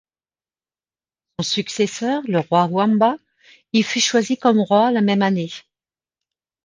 Son successeur, le roi Wamba, y fut choisi comme roi la même année.